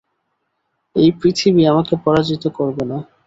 এই পৃথিবী আমাকে পরাজিত করবে না!